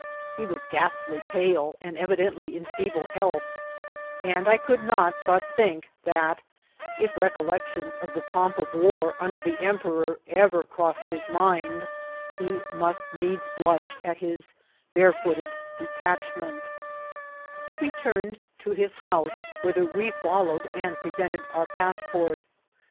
He was ghastly pale, and evidently in feeble health; and I could not but think that, if recollections of the pomp of war under the emperor ever crossed his mind, he must needs blush at his barefooted detachment He returned to his house, whither we followed and presented our passport.